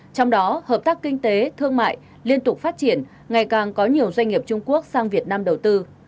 trong đó hợp tác kinh tế thương mại liên tục phát triển ngày càng có nhiều doanh nghiệp trung quốc sang việt nam đầu tư